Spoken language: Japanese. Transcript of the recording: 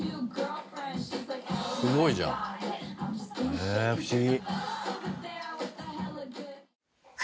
すごいじゃん。ねえ不思議。